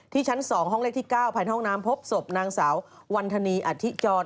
ชั้น๒ห้องเลขที่๙ภายในห้องน้ำพบศพนางสาววันธนีอธิจร